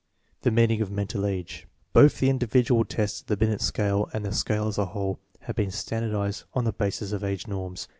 The meaning of mental age. Both the individual tests of the Binet scale and the scale as a whole have been standardized on the basis of age norms.